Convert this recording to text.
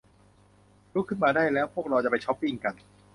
ลุกขึ้นมาได้แล้ว พวกเราจะไปช๊อปปิ้งกัน